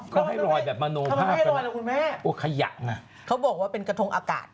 ก็ให้ลอยแบบมโนภาพกันขยะนะเขาบอกว่าเป็นกระทงอากาศ